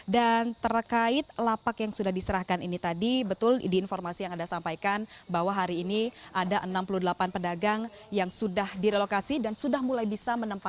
dan terkait lapak yang sudah diserahkan ini tadi betul di informasi yang anda sampaikan bahwa hari ini ada enam puluh delapan pedagang yang sudah direlokasi dan sudah mulai bisa menempel